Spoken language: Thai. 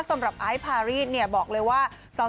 สำหรับไอซ์พารีบอกเลยว่า